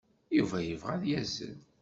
Yuba yebɣa ad yazzel.